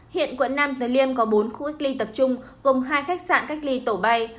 hiện quận năm từ liêm có bốn khu cách ly tập trung gồm hai khách sạn cách ly tổ bay